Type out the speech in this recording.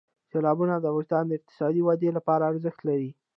سیلابونه د افغانستان د اقتصادي ودې لپاره ارزښت لري.